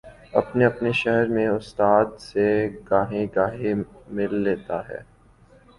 اپنے اپنے شہر میں استاد سے گاہے گاہے مل لیتا ہے۔